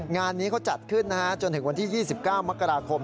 งานนี้เขาจัดขึ้นจนถึงวันที่๒๙มกราคม